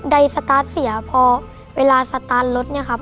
สตาร์ทเสียพอเวลาสตาร์ทรถเนี่ยครับ